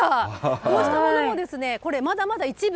こうしたものもこれ、まだまだ一部。